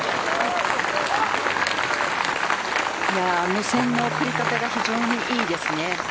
目線の送り方が非常にいいです。